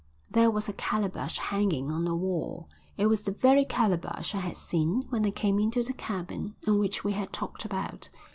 There was a calabash hanging on the wall. It was the very calabash I had seen when I came into the cabin and which we had talked about.